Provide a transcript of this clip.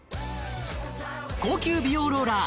高級美容ローラー